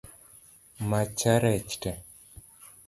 Macha rech tee?